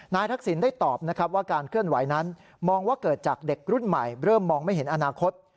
ทักษิณได้ตอบนะครับว่าการเคลื่อนไหวนั้นมองว่าเกิดจากเด็กรุ่นใหม่เริ่มมองไม่เห็นอนาคต